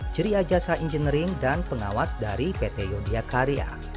ceria jasa engineering dan pengawas dari pt yodiyakarya